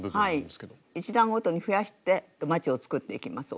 １段ごとに増やしてまちを作っていきます。